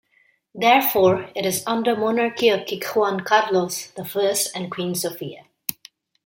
Therefore, it is under monarchy of King Juan Carlos the First and Queen Sofia.